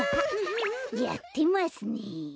やってますね。